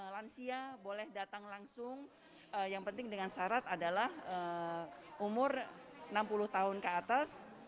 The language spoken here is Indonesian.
lansia boleh datang langsung yang penting dengan syarat adalah umur enam puluh tahun ke atas